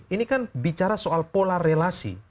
ini kan bicara soal pola relasi